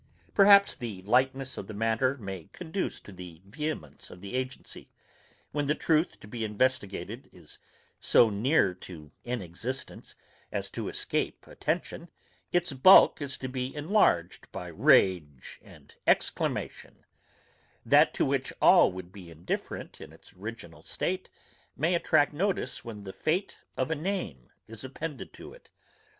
Perhaps the lightness of the matter may conduce to the vehemence of the agency; when the truth to be investigated is so near to inexistence, as to escape attention, its bulk is to be enlarged by rage and exclamation: That to which all would be indifferent in its original state, may attract notice when the fate of a name is appended to it.